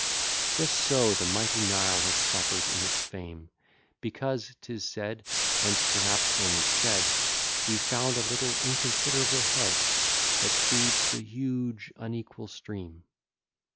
Just so the mighty Nile has suffer'd in its fame, Because 'tis said (and perhaps only said) We've found a little inconsiderable head, That feeds the huge unequal stream.